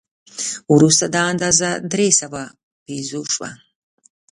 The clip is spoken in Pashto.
وروسته دا اندازه درې سوه پیزو شوه.